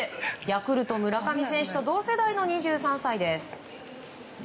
ヤクルトの村上選手と同世代の２３歳です。